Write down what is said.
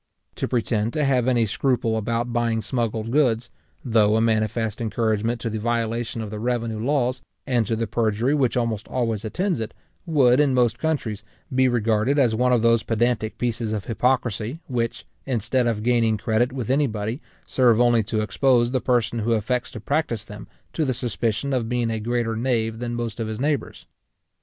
To pretend to have any scruple about buying smuggled goods, though a manifest encouragement to the violation of the revenue laws, and to the perjury which almost always attends it, would, in most countries, be regarded as one of those pedantic pieces of hypocrisy which, instead of gaining credit with anybody, serve only to expose the person who affects to practise them to the suspicion of being a greater knave than most of his neighbours.